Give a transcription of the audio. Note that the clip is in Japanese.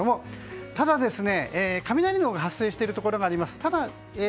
ただ、雷が発生しているところがあります。